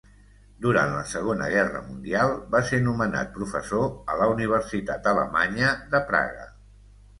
Durant la Segona Guerra Mundial va ser nomenat professor a la Universitat alemanya de Praga.